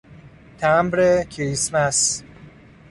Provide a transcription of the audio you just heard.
تمبر کریسمس